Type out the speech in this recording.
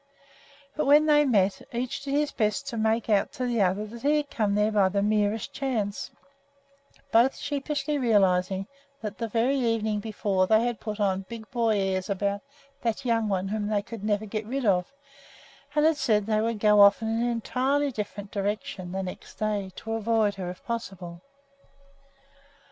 But when they met each did his best to make out to the other that he had come there by the merest chance, both sheepishly realizing that the very evening before they had put on big boy airs about "that young one whom they could never get rid of," and had said that they would go off in an entirely different direction the next day, to avoid her if possible.